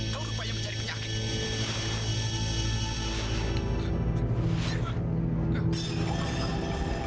kau rupanya menjadi penyakit